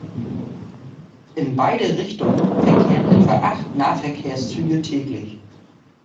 In beide Richtungen verkehren etwa acht Nahverkehrszüge täglich.